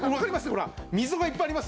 ほら溝がいっぱいありますよね。